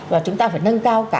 và chúng ta phải nâng cao cả